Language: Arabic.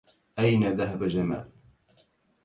أين ذهب جمال؟